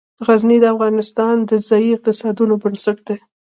غزني د افغانستان د ځایي اقتصادونو بنسټ دی.